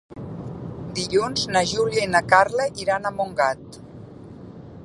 Dilluns na Júlia i na Carla iran a Montgat.